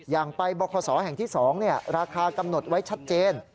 อย่างไปบคศแห่งที่๒ราคากำหนดไว้ชัดเจน